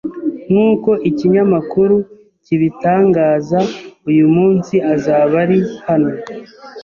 Nk’uko ikinyamakuru kibitangaza, uyu munsi azaba ari hano.